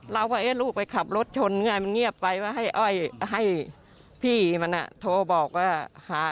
เราก็เอาลูกไปขับรถชนเงียบไปให้พี่มันโทรบอกว่า